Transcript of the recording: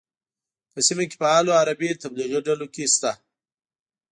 په سیمه کې فعالو عربي تبلیغي ډلو کې شته.